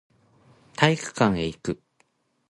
体育館へ行く